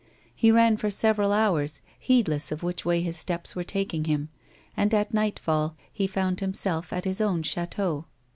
He ran for several hours, heedless of which way his steps were taking him, and, at nightfall, he found himself at his own chateau.